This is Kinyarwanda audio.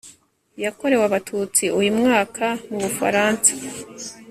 yakorewe abatutsi uyu mwaka mu bufaransa